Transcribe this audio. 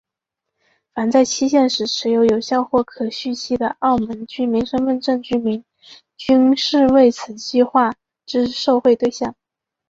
凡在限期时持有有效或可续期的澳门居民身份证居民均是为此计划之受惠对象。